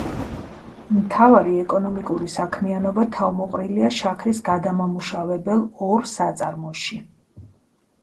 მთავარი ეკონომიკური საქმიანობა თავმოყრილია შაქრის გადამამუშავებელ ორ საწარმოში.